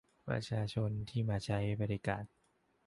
ประชาชนที่มาใช้บริการ